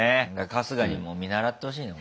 春日にも見習ってほしいね